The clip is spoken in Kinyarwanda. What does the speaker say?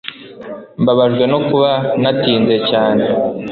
Mbabajwe no kuba natinze cyane